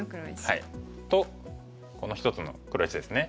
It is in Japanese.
とこの１つの黒石ですね。